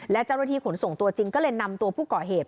และเจ้าหน้าที่ขนส่งตัวจริงก็เลยนำตัวผู้ก่อเหตุ